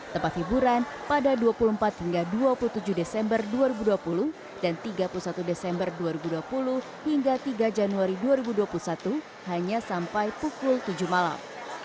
tempat hiburan pada dua puluh empat hingga dua puluh tujuh desember dua ribu dua puluh dan tiga puluh satu desember dua ribu dua puluh hingga tiga januari dua ribu dua puluh satu hanya sampai pukul tujuh malam